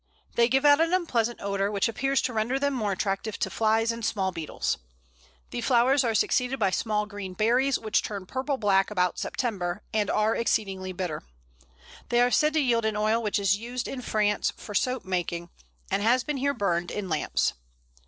They give out an unpleasant odour, which appears to render them more attractive to flies and small beetles. The flowers are succeeded by small green berries, which turn purple black about September, and are exceedingly bitter. They are said to yield an oil which is used in France for soap making, and has been here burned in lamps.